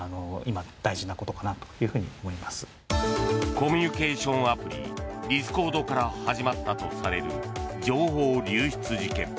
コミュニケーションアプリディスコードから始まったとされる情報流出事件。